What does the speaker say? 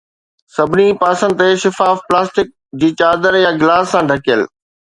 سڀني پاسن تي شفاف پلاسٽڪ جي چادر يا گلاس سان ڍڪيل